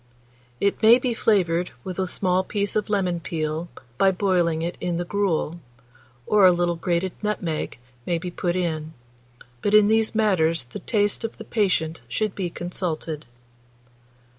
It may be flavoured with a small piece of lemon peel, by boiling it in the gruel, or a little grated nutmeg may be put in; but in these matters the taste of the patient should be consulted.